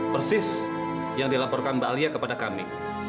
persis yang dilaporkan mbak alia kepada kami